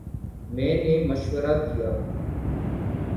میں نے مشورہ دیا